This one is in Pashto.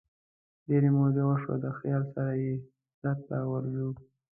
ډیري مودې وشوي دخیال سره یې سرته ورځو